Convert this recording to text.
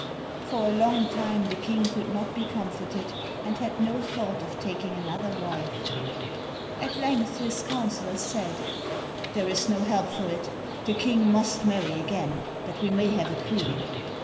For a long time the King could not be comforted, and had no thought of taking another wife. At length his councillors said, "There is no help for it, the King must marry again, that we may have a Queen."